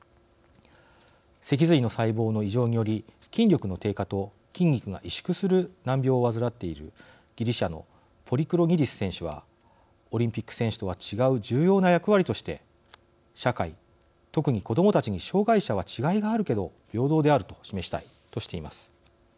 脊髄の細胞の異常により筋力の低下と筋肉が萎縮する難病を患っているギリシャのポリクロニディス選手はオリンピック選手とは違う重要な役割として「社会、特に子どもたちに障害者は違いがあるけど平等であると示したい」としています。